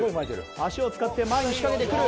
足を使って前に仕掛けてくる。